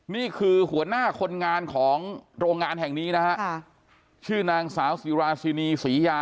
นี่คือหัวหน้าคนงานของโรงงานแห่งนี้นะฮะชื่อนางสาวสิราชินีศรียา